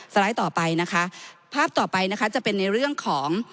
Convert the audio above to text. ไลด์ต่อไปนะคะภาพต่อไปนะคะจะเป็นในเรื่องของ